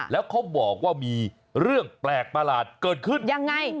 แล้วเขาบอกว่ามีเรื่องแปลกประหลาดเกิดขึ้นยังไง